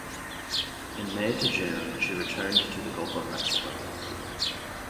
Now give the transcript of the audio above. In May-June, she returned to the Gulf of Mexico.